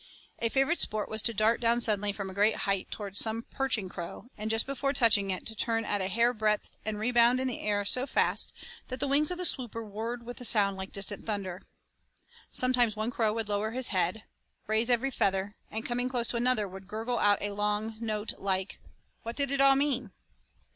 A favorite sport was to dart down suddenly from a great height toward some perching crow, and just before touching it to turn at a hairbreadth and rebound in the air so fast that the wings of the swooper whirred with a sound like distant thunder. Sometimes one crow would lower his head, raise every feather, and coming close to another would gurgle out a long note like. What did it all mean?